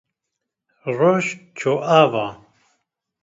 Roj çû ava